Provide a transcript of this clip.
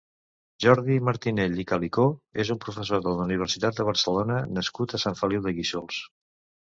Jordi Martinell i Callicó és un professor de la Universitat de Barcelona nascut a Sant Feliu de Guíxols.